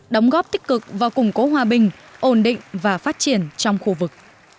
đóng góp tích cực và củng cố hòa bình ổn định và phát triển trong khu vực